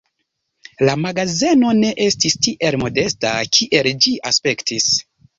La magazeno ne estis tiel modesta, kiel ĝi aspektis.